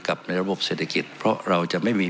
ในระบบเศรษฐกิจเพราะเราจะไม่มี